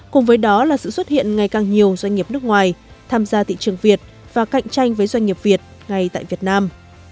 cùng với đó là sự xuất hiện ngày càng nhiều doanh nghiệp nước ngoài tham gia thị trường việt và cạnh tranh với doanh nghiệp việt ngay tại việt nam